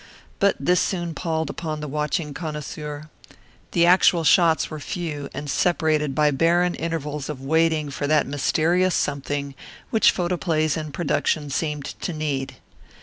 But this soon palled upon the watching connoisseur. The actual shots were few and separated by barren intervals of waiting for that mysterious something which photoplays in production seemed to need.